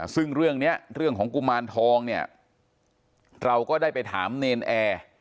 ซึ่งเรื่องนี้เรื่องของกุมารทองเนี่ยเราก็ได้ไปถามเนรนแอร์